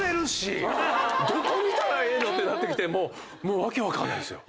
どこ見たらええの？ってなってきて訳分かんないですよ。